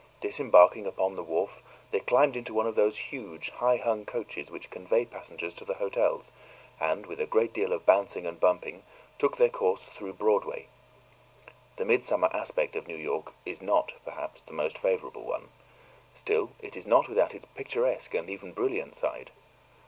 Disembarking upon the wharf, they climbed into one of those huge high hung coaches which convey passengers to the hotels, and with a great deal of bouncing and bumping, took their course through Broadway. The midsummer aspect of New York is not, perhaps, the most favorable one; still, it is not without its picturesque and even brilliant side.